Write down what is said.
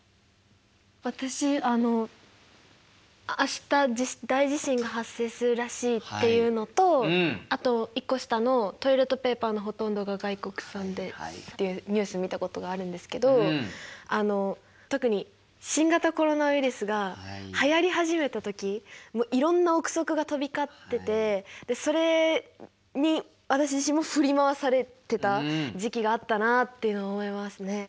私あの「明日大地震が発生するらしい」っていうのとあと１個下の「トイレットペーパーのほとんどが外国産」でっていうニュース見たことがあるんですけどあの特に新型コロナウイルスがはやり始めた時もういろんな臆測が飛び交っててそれに私自身も振り回されてた時期があったなあっていうのを思いますね。